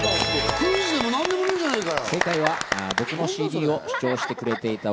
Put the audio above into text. クイズでも何でもねえじゃねえかよ。